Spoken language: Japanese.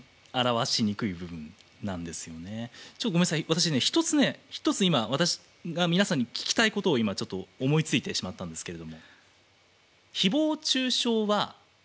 私一つね一つ今私が皆さんに聞きたいことを今ちょっと思いついてしまったんですけれども。